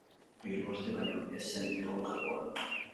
Hiru aste baino ez zen egon karguan.